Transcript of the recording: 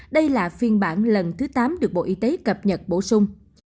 đây là phiên bản lần thứ tám được bộ y tế cập nhật bổ sung